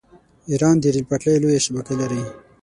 ایران د ریل پټلۍ لویه شبکه لري.